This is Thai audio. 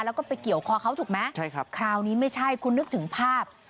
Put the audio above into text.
แล้วก็ไปเกี่ยวคอเขาถูกไหมใช่ครับคราวนี้ไม่ใช่คุณนึกถึงภาพ